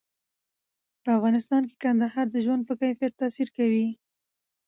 په افغانستان کې کندهار د ژوند په کیفیت تاثیر کوي.